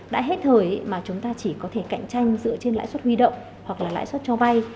đã hết thời mà chúng ta chỉ có thể cạnh tranh dựa trên lãi suất huy động hoặc là lãi suất cho vay